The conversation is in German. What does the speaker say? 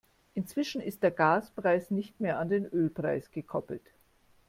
Inzwischen ist der Gaspreis nicht mehr an den Ölpreis gekoppelt.